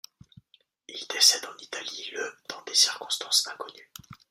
Il décède en Italie le dans des circonstances inconnues.